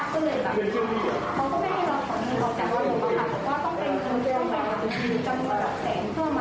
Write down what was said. ก็เลยแบบเขาก็ไม่ได้รับขอบคุณหรอกจากบริษัทแต่ว่าต้องเป็นเงินเงินแบบ